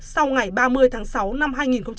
sau ngày ba mươi tháng sáu năm hai nghìn một mươi bảy